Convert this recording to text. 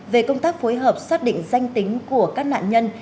về công tác phối hợp xác định danh tính của các nạn nhân